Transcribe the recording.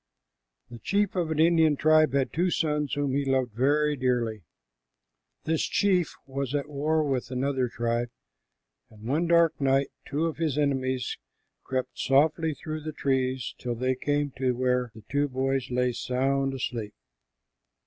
The chief of an Indian tribe had two sons whom he loved very dearly. This chief was at war with another tribe, and one dark night two of his enemies crept softly through the trees till they came to where the two boys lay sound asleep.